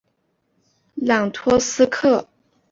朗托斯克。